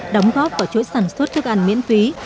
đóng góp và chối sản xuất thức ăn miễn phí